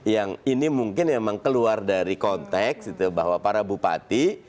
yang ini mungkin memang keluar dari konteks itu bahwa para bupati